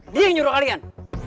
dia yang nyuruh kalian